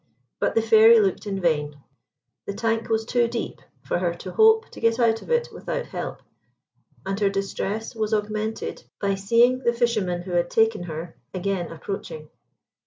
But the Fairy looked in vain. The tank was too deep for her to hope to get out of it without help, and her distress was augmented by seeing the fishermen who had taken her again approaching.